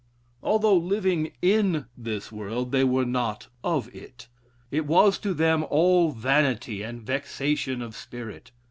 Although living in this world, they were not of it. It was to them, all vanity and vexation of spirit.